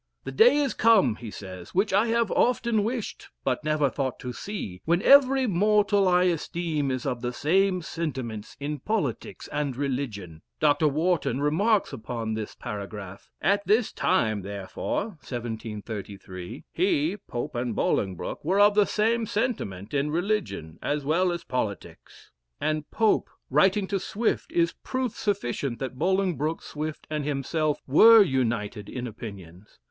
"The day is come," he says, "which I have often wished, but never thought to see, when every mortal I esteem is of the same sentiments in politics and religion." Dr. Warton remarks upon this paragraph "At this time therefore (1733) he (Pope and Bolingbroke were of the same sentiment in religion as well as politics);" * and Pope writing to Swift is proof sufficient that Bolingbroke, Swift, and himself, were united in opinions.